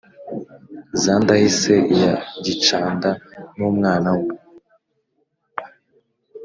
za ndahise ya gicanda numwana we